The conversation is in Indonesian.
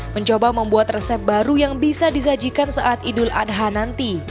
mencoba membuat resep baru yang bisa disajikan saat idul adha nanti